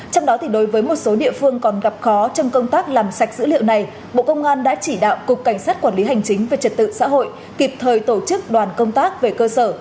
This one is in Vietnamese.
trong đó đối với một số địa phương còn gặp khó trong công tác làm sạch dữ liệu này bộ công an đã chỉ đạo cục cảnh sát quản lý hành chính về trật tự xã hội kịp thời tổ chức đoàn công tác về cơ sở